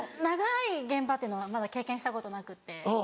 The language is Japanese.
長い現場っていうのはまだ経験したことなくって。